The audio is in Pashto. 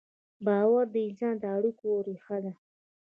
باور د انسان د اړیکو ریښه ده.